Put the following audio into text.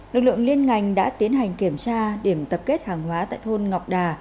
lực lượng liên ngành đã tiến hành kiểm tra điểm tập kết hàng hóa tại thôn ngọc đà